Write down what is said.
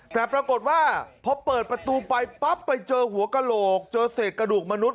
แต่ปรากฏว่าพอเปิดประตูไปปั๊บไปเจอหัวกระโหลกเจอเศษกระดูกมนุษย